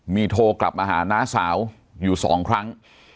มีโทรกลับมาหาน้าสาวอยู่สองครั้ง